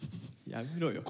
やめろよ。